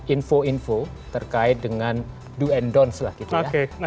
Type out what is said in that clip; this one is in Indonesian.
info info terkait dengan do and don'ts lah gitu ya